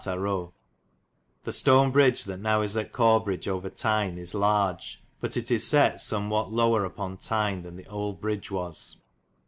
The stone bridge that now is at Corbridge over Tine is larg, but it is set sumwhat lower apon Tine then the olde bridg was.